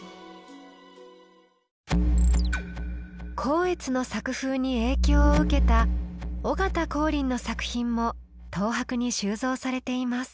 光悦の作風に影響を受けた尾形光琳の作品も東博に収蔵されています。